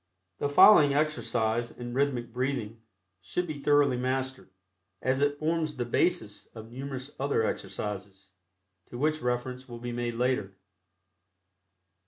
The following exercise in Rhythmic Breathing should be thoroughly mastered, as it forms the basis of numerous other exercises, to which reference will be made later.